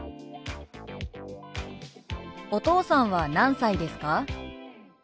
「お父さんは何歳ですか？」。